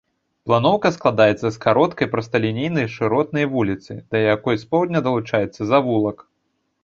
Планоўка складаецца з кароткай прасталінейнай шыротнай вуліцы, да якой з поўдня далучаецца завулак.